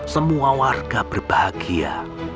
semua warga berbahagia